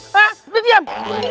hah dia diam